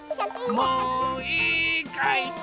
もういいかい？